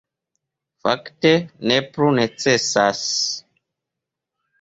Fakte, ne plu necesas.